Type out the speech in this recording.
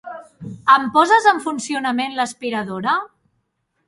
Em poses en funcionament l'aspiradora?